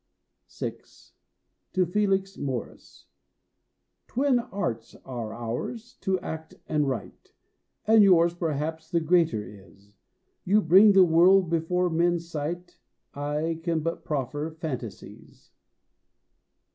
VI. To Felix Morris. Twin arts are ours, to act and write, And yours, perhaps, the greater is; You bring the world before men's sight, I can but proffer fantasies.